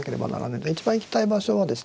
一番行きたい場所はですね